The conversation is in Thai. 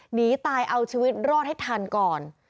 หนีตายเอาชีวิตรอดให้ทันก่อน